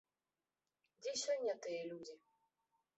Дзе сёння тыя людзі?